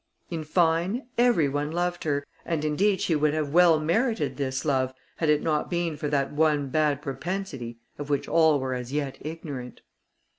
In fine, every one loved her, and, indeed she would have well merited this love, had it not been for that one bad propensity, of which all were as yet ignorant.